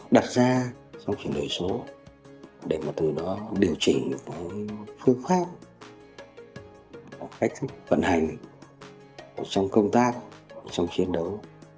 đặt ra trong chuyển đổi số để mà từ đó điều chỉnh phương pháp cách thức vận hành trong công tác trong chiến đấu